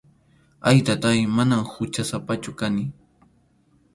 Ay, Taytáy, manam huchasapachu kani.